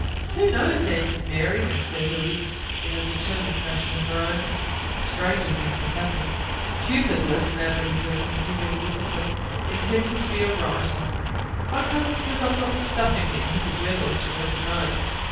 "Who knows?" answered Mary, and set her lips in a determined fashion of her own. "Stranger things have happened." Cupid, less enamoured of continual discipline, intended to be a writer. "My cousin says I've got the stuff in me. And he's a journalist and ought to know."